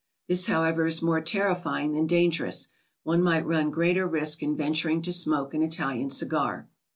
This, however, is more terrifying than dangerous; one might run greater risk in venturing to smoke an Italian cigar.